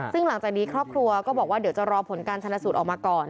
ซึ่งหลังจากนี้ครอบครัวก็บอกว่าเดี๋ยวจะรอผลการชนะสูตรออกมาก่อน